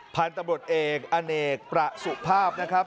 พันธุ์ตำรวจเอกอเนกประสุภาพนะครับ